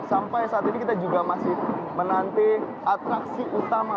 sampai saat ini kita juga masih menanti atraksi utama